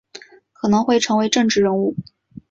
可能会成为政治人物